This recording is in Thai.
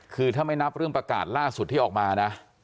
คือถ้าไม่นับเรื่องประกาศล่าสุดที่ออกมานะ